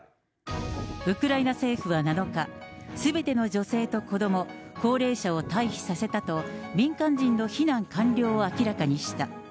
ウクライナ政府は７日、すべての女性と子ども、高齢者を退避させたと、民間人の避難完了を明らかにした。